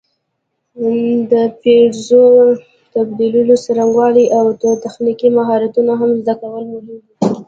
د پرزو تبدیلولو څرنګوالي او نور تخنیکي مهارتونه هم زده کول مهم دي.